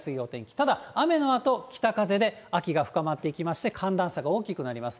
ただ、雨のあと、北風で秋が深まっていきまして、寒暖差が大きくなります。